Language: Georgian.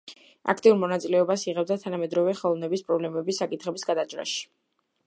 აქტიურ მონაწილეობას იღებდა თანამედროვე ხელოვნების პრობლემების საკითხების გადაჭრაში.